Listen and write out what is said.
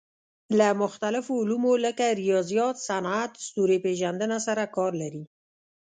له مختلفو علومو لکه ریاضیات، صنعت، ستوري پېژندنه سره کار کوي.